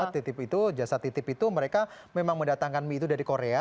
titip itu jasa titip itu mereka memang mendatangkan mie itu dari korea